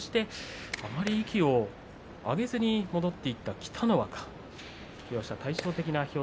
あまり息を上げずに戻っていった北の若。